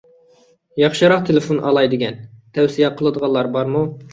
ياخشىراق تېلېفون ئالاي دېگەن. تەۋسىيە قىلىدىغانلار بارمۇ؟